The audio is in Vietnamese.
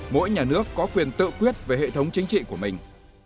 mỗi nhà nước có quyền tự quyết về hệ thống chính trị của mình